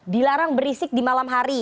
dilarang berisik di malam hari